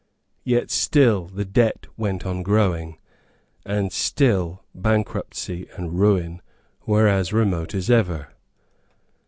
Yet still the debt went on growing; and still bankruptcy and ruin were as remote as ever.